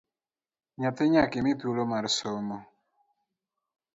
Nyathi nyakimi thuolo mar somo